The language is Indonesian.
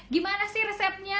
gimana sih resepnya